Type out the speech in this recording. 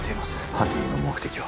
犯人の目的は。